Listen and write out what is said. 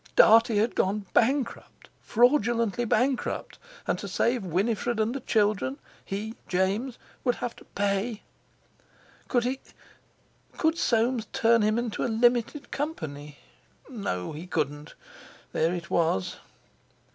Dartie had gone bankrupt—fraudulently bankrupt, and to save Winifred and the children, he—James—would have to pay! Could he—could Soames turn him into a limited company? No, he couldn't! There it was!